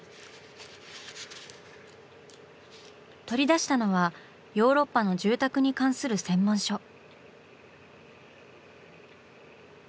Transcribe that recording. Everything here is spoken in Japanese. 取り出したのはヨーロッパの住宅に関する専門書。